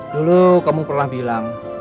dulu kamu pernah bilang